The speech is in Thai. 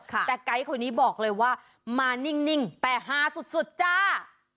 แต่ไกด์คนนี้บอกเลยว่ามานิ่งแต่ฮาสุดจ้า